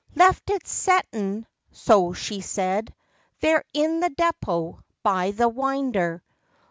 " Left it settin," so she said, u there In the depo, by the winder.